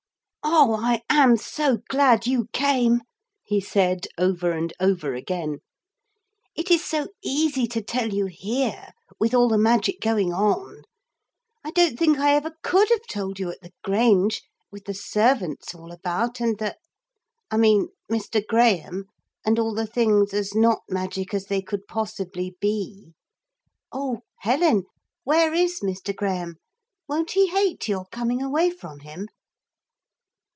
'Oh, I am so glad you came!' he said over and over again; 'it is so easy to tell you here, with all the magic going on. I don't think I ever could have told you at the Grange with the servants all about, and the I mean Mr. Graham, and all the things as not magic as they could possibly be. Oh, Helen! where is Mr. Graham; won't he hate your coming away from him?'